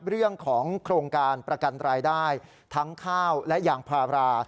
เรื่องของโครงการประกันรายได้ทั้งข้าวและยางพารา